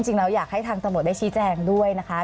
จริงแล้วอยากให้ทางตะเบียนได้ชี้แจ้งด้วยนะคะ